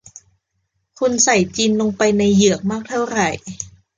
คุณใส่จินลงไปในเหยือกมากเท่าไร